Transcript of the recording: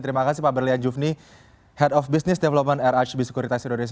terima kasih pak berlian jufni head of business development rhb securitas indonesia